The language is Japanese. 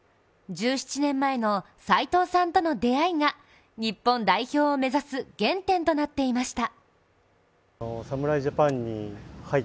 １７年前の斎藤さんとの出会いが、日本代表を目指す原点となっていました。